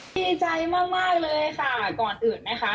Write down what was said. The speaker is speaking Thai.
ดีใจมากเลยค่ะก่อนอื่นนะคะ